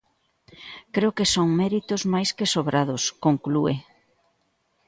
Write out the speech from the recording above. "Creo que son méritos máis que sobrados", conclúe.